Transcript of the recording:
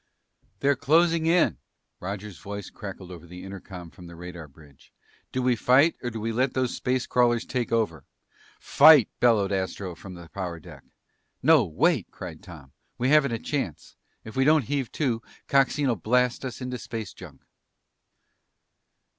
"They're closing in!" Roger's voice crackled through the intercom from the radar bridge. "Do we fight or do we let those space crawlers take over?" "Fight!" bellowed Astro from the power deck. "No! Wait!" cried Tom. "We haven't a chance! If we don't heave to, Coxine'll blast us into space junk!"